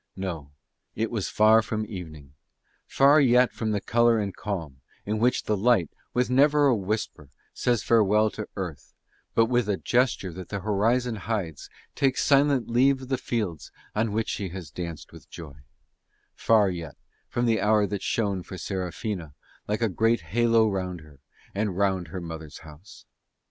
No, it was far from evening; far yet from the colour and calm in which the light with never a whisper says farewell to Earth, but with a gesture that the horizon hides takes silent leave of the fields on which she has danced with joy; far yet from the hour that shone for Serafina like a great halo round her and round her mother's house.